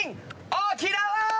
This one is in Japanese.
沖縄！